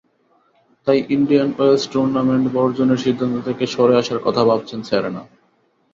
তাই Indian Wells tournament বর্জনের সিদ্ধান্ত থেকে সরে আসার কথা ভাবছেন সেরেনা।